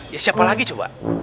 ya siapa lagi coba